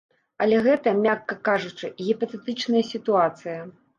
Але гэта, мякка кажучы, гіпатэтычная сітуацыя.